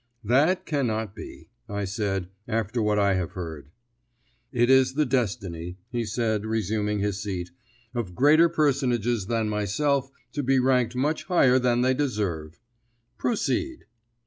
"That cannot be," I said, "after what I have heard." "It is the destiny," he said, resuming his seat, "of greater personages than myself to be ranked much higher than they deserve. Proceed."